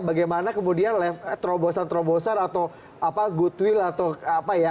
bagaimana kemudian terobosan terobosan atau goodwill atau apa ya